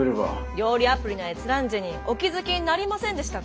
料理アプリの閲覧時にお気付きになりませんでしたか？